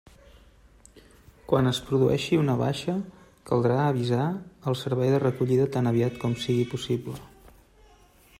Quan es produeixi una baixa, caldrà avisar el servei de recollida tan aviat com sigui possible.